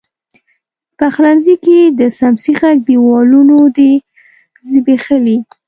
پخلنځي کې د څمڅۍ ږغ، دیوالونو دی زبیښلي